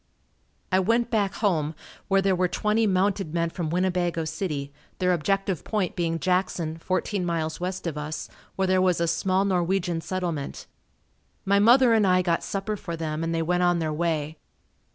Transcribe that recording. I went back home where there were twenty mounted men from Winnebago City, their objective point being Jackson, fourteen miles west of us where there was a small Norwegian settlement. My mother and I got supper for them and they went on their way.